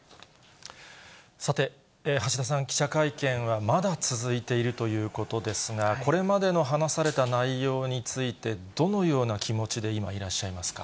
さて、橋田さん、記者会見はまだ続いているということですが、これまでの話された内容について、どのような気持ちで今いらっしゃいますか。